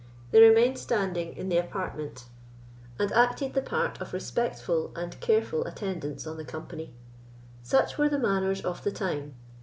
They remained standing in the apartment, and acted the part of respectful and careful attendants on the company. Such were the manners of the time.